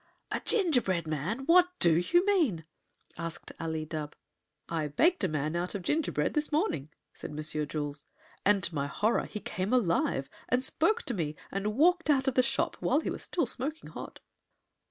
"A gingerbread man! What do you mean?" asked Ali Dubh. "I baked a man out of gingerbread this morning," said Monsieur Jules, "and to my horror he came alive, and spoke to me, and walked out of the shop while he was still smoking hot."